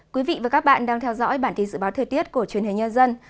quý vị và các bạn đang theo dõi bản tin dự báo thời tiết của truyền hình nhân dân